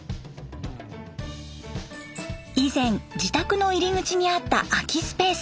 以前自宅の入り口にあった空きスペース。